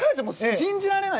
信じられない。